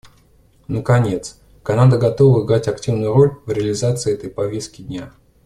Наконец, Канада готова играть активную роль в реализации этой повестки дня.